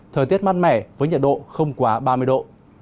thời tiết mát mẻ với nhiệt độ không quá ba mươi độ